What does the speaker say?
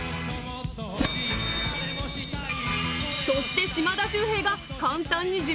［そして島田秀平が簡単に］